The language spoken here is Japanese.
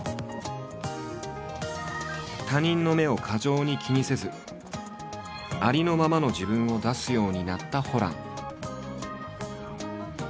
他人の目を過剰に気にせずありのままの自分を出すようになったホラン。